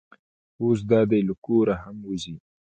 اوس دا دی له کوره هم وځي.